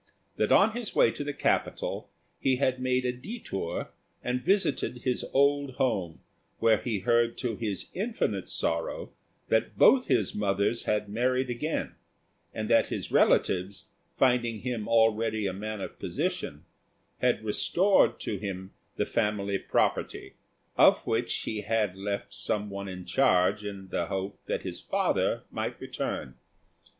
That on his way to the capital he had made a détour and visited his old home, where he heard to his infinite sorrow that both his mothers had married again; and that his relatives, finding him already a man of position, had restored to him the family property, of which he had left some one in charge in the hope that his father might return.